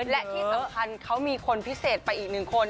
และที่สำคัญเขามีคนพิเศษไปอีกหนึ่งคน